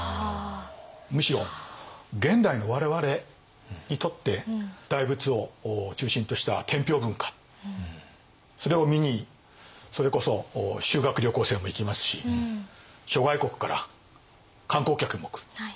むしろ現代の我々にとって大仏を中心とした天平文化それを見にそれこそ修学旅行生も行きますし諸外国から観光客も来る。